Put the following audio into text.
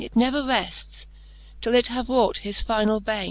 It never refts, till it have wrought his finall bane*.